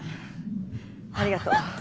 ありがとう。